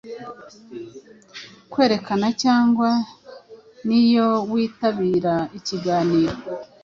kwerekana cyangwa niyo witabira ikiganiro